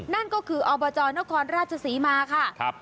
นั่นก็คืออบจนครราชศรีมาค่ะ